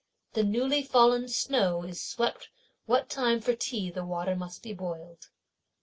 The newly fallen snow is swept what time for tea the water must be boiled.